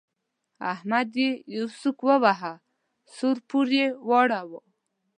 احمد يې يو سوک وواهه؛ سوړ پوړ يې راواړاوو.